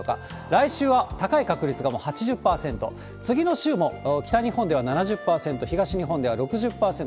来週は高い確率がもう８０％、次の週も、北日本では７０％、東日本では６０％、